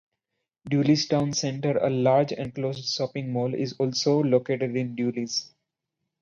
Dulles Town Center, a large enclosed shopping mall, is also located in Dulles.